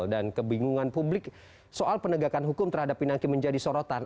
dan kebingungan publik soal penegakan hukum terhadap pinangki menjadi sorotan